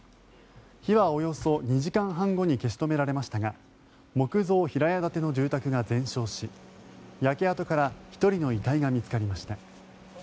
火はおよそ２時間半後に消し止められましたが木造平屋建ての住宅が全焼し焼け跡から１人の遺体が見つかりました。